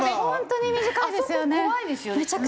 本当に短いですよね。